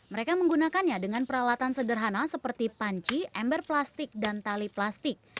mereka menggunakannya dengan peralatan sederhana seperti panci ember plastik dan tali plastik